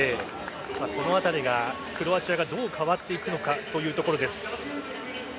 そのあたりがクロアチアがどう変わっていくのかというところです。